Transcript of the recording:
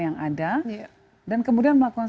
yang ada dan kemudian melakukan